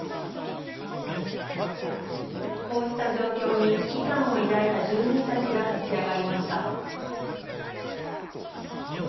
こうした状況に危機感を抱いた住民たちが立ち上がりました。